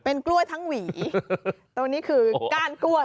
กล้วยทั้งหวีตรงนี้คือก้านกล้วย